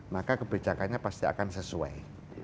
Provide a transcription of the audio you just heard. maka kebijakannya pasti akan sesuai